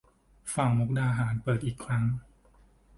ฝั่งมุกดาหาร เปิดอีกครั้ง